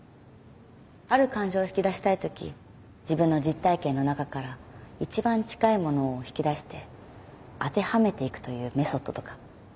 ある感情を引き出したいとき自分の実体験の中から一番近いものを引き出して当てはめていくというメソッドとか。